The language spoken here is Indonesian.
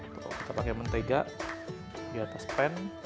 kalau kita pakai mentega di atas pan